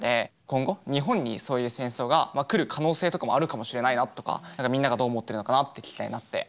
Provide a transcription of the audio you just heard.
今後日本にそういう戦争が来る可能性とかもあるかもしれないなとかみんながどう思ってるのかなって聞きたいなって。